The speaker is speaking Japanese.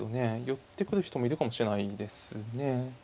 寄ってくる人もいるかもしれないですね。